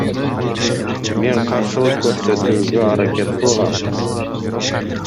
Мен каршылык көрсөтүүгө аракет кылгам.